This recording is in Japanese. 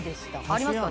ありますか？